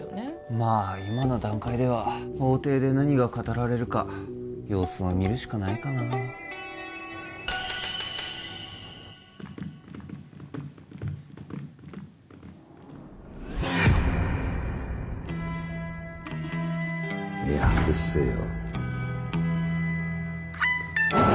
まあ今の段階では法廷で何が語られるか様子を見るしかないかなええ判決せえよ